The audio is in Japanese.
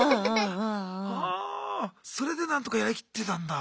それで何とかやりきってたんだ。